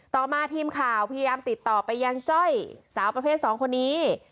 ต่อมาทีมข่าวพยายามติดต่อไปยังจ้อยสาวประเภท๒คนนี้